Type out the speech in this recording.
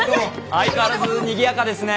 相変わらずにぎやかですね。